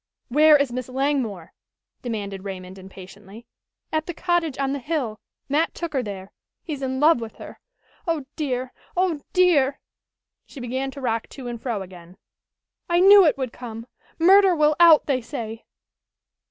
"Where is Miss Langmore?" demanded Raymond impatiently. "At the cottage on the hill. Mat took her there. He's in love with her. Oh, dear! Oh, dear!" she began to rock to and fro again. "I knew it would come! Murder will out, they say!"